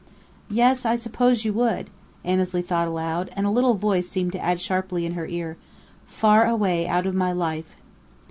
"Yes, I suppose you would," Annesley thought aloud, and a little voice seemed to add sharply in her ear: "Far away out of my life."